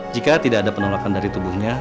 jika tidak ada penolakan dari tubuhnya